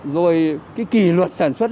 rồi cái kỳ luật sản xuất